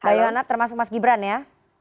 mbak yohanad termasuk mas gibran ya